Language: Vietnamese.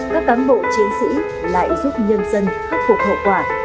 các cán bộ chiến sĩ lại giúp nhân dân khắc phục hậu quả